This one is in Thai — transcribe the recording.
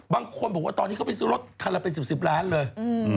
บางคนบอกว่าตอนนี้เขาไปซื้อรถคันละเป็น๑๐ล้านเลย